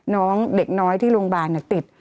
น้องเด็กน้อยที่โรงพยาบาลติด